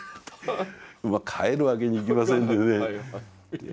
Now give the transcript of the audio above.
帰るわけにいきませんでね